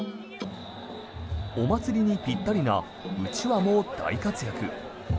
お祭りにぴったりなうちわも大活躍。